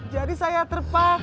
jadi saya terpaksa